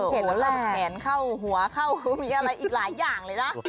เห็นแล้วเราแขนเข้าหัวเข้ามีอะไรอีกหลายอย่างเลยนะ